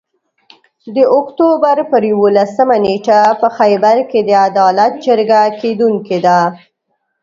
د اُکټوبر پر یوولسمه نیټه په خېبر کې د عدالت جرګه کیدونکي ده